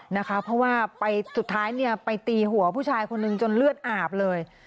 เพราะว่าไปสุดท้ายเนี่ยไปตีหัวผู้ชายคนหนึ่งจนเลือดอาบเลย